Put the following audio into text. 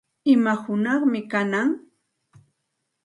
¿Ima hunaqmi kanan?